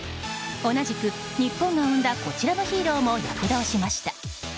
同じく日本が生んだこちらのヒーローも躍動しました。